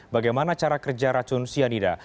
bagaimana cara kerja racun cyanida